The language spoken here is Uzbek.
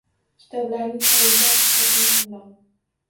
Kitoblarning sonidan sifati muhimroq.